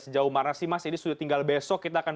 sejauh mana sih mas ini sudah tinggal besok kita akan